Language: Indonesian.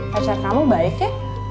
pacar kamu baik ya